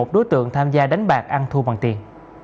một mươi một đối tượng tham gia đánh bạc ăn thu bằng tiền